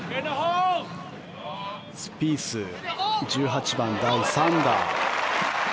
スピース１８番、第３打。